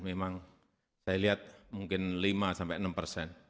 memang saya lihat mungkin lima sampai enam persen